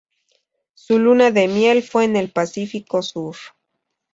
Su luna de miel fue en el Pacífico Sur.